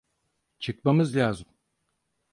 Çıkmamız lazım.